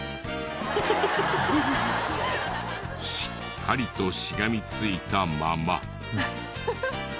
しっかりとしがみついたまま。